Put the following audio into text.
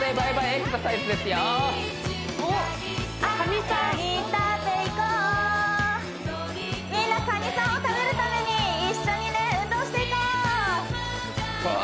みんなカニさんを食べるために一緒にね運動していこう！